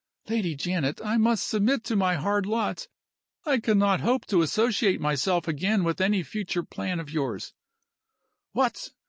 "Lady Janet, I must submit to my hard lot. I cannot hope to associate myself again with any future plans of yours " "What!